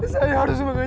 saya harus berhenti